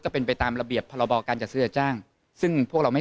เป็นไปตามระเบียบพรบการจัดซื้อจัดจ้างซึ่งพวกเราไม่